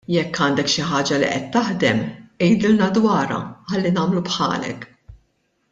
Jekk għandek xi ħaġa li qed taħdem għidilna dwarha ħalli nagħmlu bħalek.